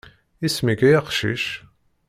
Isem-ik ay aqcic.